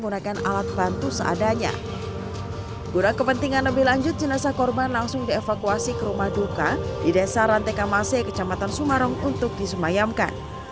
sebelum tiba tiba korban ditemukan di rumah duka di desa ranteka masih kejamatan sumarong untuk disemayamkan